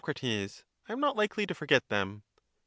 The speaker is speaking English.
I am not likely to forget them.